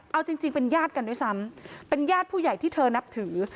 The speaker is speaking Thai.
เอาจริงเป็นญาติกันด้วยซ้ำเป็นญาติผู้ใหญ่ที่เธอนับถือ